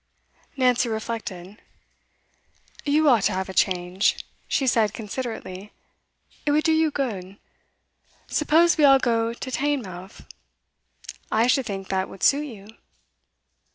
Nancy reflected. 'You ought to have a change,' she said considerately. 'It would do you good. Suppose we all go to Teignmouth? I should think that would suit you.